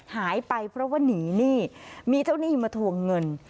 หายไปเพราะว่าหนีหนี้มีเจ้าหนี้มาทวงเงิน